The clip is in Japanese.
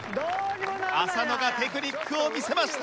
浅野がテクニックを見せました！